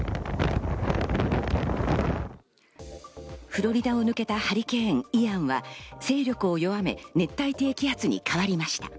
フロリダを抜けたハリケーン・イアンは勢力を弱め、熱帯低気圧に変わりました。